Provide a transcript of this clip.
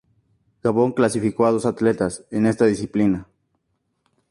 Gabón clasificó a dos atletas en esta disciplina.